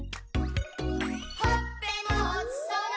「ほっぺもおちそな」